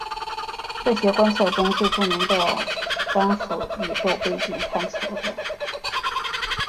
这些观测中最著名的当属宇宙背景探测者。